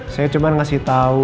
saya cuma ngasih tau